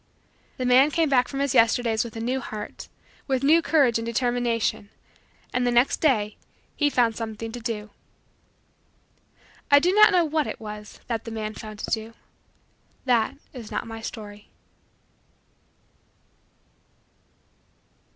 The man came back from his Yesterdays with a new heart, with new courage and determination, and the next day he found something to do. I do not know what it was that the man found to do that is not my story.